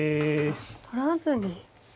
取らずに。